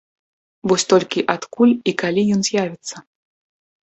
Вось толькі адкуль і калі ён з'явіцца?